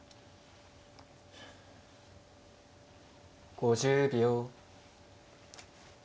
５０秒。